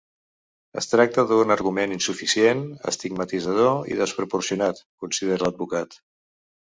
Es tracta d’un argument insuficient, estigmatitzador i desproporcionat, considera l’advocat.